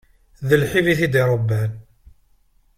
D lḥif i t-id-irebban.